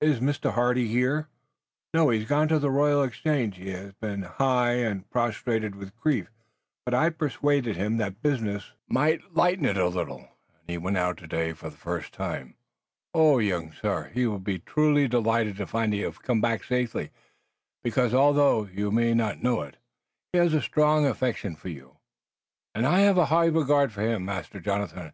Is Mr. Hardy here?" "No, he has gone to the Royal Exchange. He has been nigh prostrated with grief, but I persuaded him that business might lighten it a little, and he went out today for the first time. Oh, young sir, he will be truly delighted to find that you have come back safely, because, although you may know it not, he has a strong affection for you!" "And I have a high regard for him, Master Jonathan.